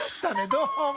どうも。